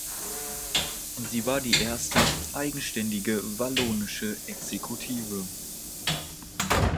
Sie war die erste eigenständige wallonische Exekutive.